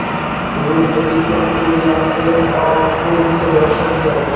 রূপ অতিক্রম করিয়া প্রেম অরূপকে দর্শন করে।